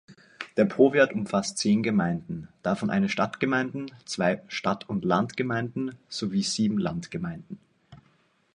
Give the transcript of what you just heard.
Der Powiat umfasst zehn Gemeinden, davon eine Stadtgemeinden, zwei Stadt-und-Land-Gemeinden sowie sieben Landgemeinden.